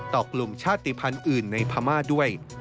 กลุ่มชาติภัณฑ์อื่นในพม่าด้วย